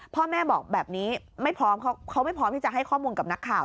พ่อแม่บอกแบบนี้ไม่พร้อมเขาไม่พร้อมที่จะให้ข้อมูลกับนักข่าว